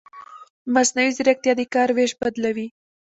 مصنوعي ځیرکتیا د کار وېش بدلوي.